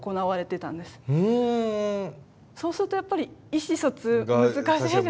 そうするとやっぱり意思疎通難しいじゃないですか。